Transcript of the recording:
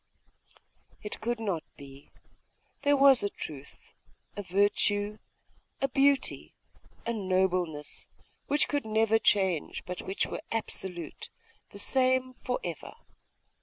It could not be! There was a truth, a virtue, a beauty, a nobleness, which could never change, but which were absolute, the same for ever.